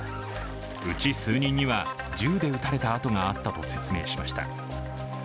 うち数人には銃で撃たれた痕があったと説明しました。